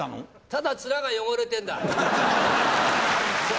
ただ面が汚れてんだ。